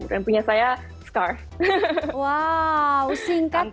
dan punya saya sekarang